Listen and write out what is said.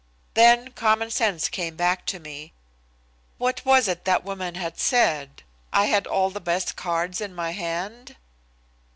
Then common sense came back to me. What was it that woman had said? I had all the best cards in my hand?